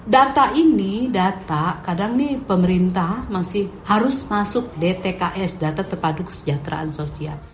data ini data kadang ini pemerintah masih harus masuk dtks data terpadu kesejahteraan sosial